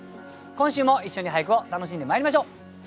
今週も一緒に俳句を楽しんでまいりましょう。